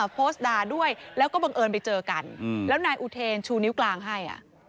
โพสต์ด่าด้วยแล้วก็บังเอิญไปเจอกันแล้วนายอุเทนชูนิ้วกลางให้